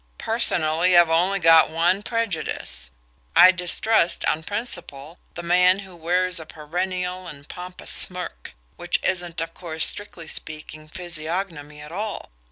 Personally, I've only got one prejudice: I distrust, on principle, the man who wears a perennial and pompous smirk which isn't, of course, strictly speaking, physiognomy at all.